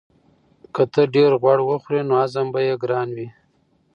که ته ډېر غوړ وخورې نو هضم به یې ګران وي.